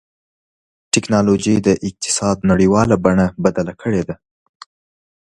ټکنالوجي د اقتصاد نړیواله بڼه بدله کړې ده.